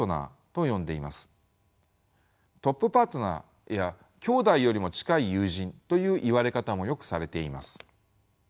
トップパートナーや兄弟よりも近い友人という言われ方もよくされています。